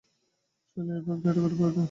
চলে আয় ভাগ্নে, টাকাটা ফেরত নে।